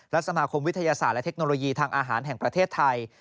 และสมาคมวิทยาศาสตร์และเทคโนโลยีทางอาหารแห่งประเทศไทย